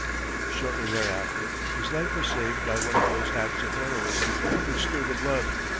Shortly afterwards his life was saved by one of those acts of heroism which stir the blood.